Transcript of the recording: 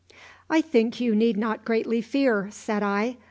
"I think you need not greatly fear," said I.